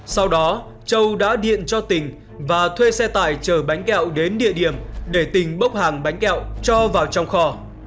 sau đó châu đã điện cho tình và thuê xe tải chở bánh kẹo đến địa điểm để tình bốc hàng bánh kẹo cho vào trong kho